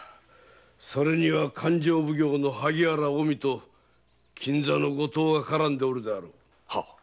それには勘定奉行の萩原近江と金座の後藤が絡んでおるであろう？